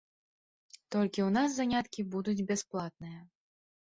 Толькі ў нас заняткі будуць бясплатныя.